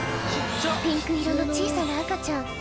ピンク色の小さな赤ちゃん。